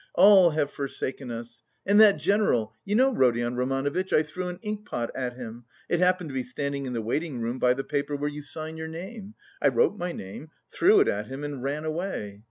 All have forsaken us!... And that general.... You know, Rodion Romanovitch, I threw an inkpot at him it happened to be standing in the waiting room by the paper where you sign your name. I wrote my name, threw it at him and ran away.